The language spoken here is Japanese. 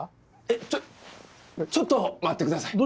えっちょっちょっと待って下さい。